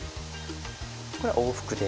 これは往復で。